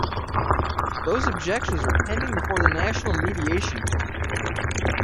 Those objections are pending before the National Mediation Board.